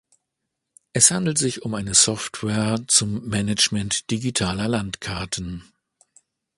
Es handelt sich um eine Software zum Management digitaler Landkarten.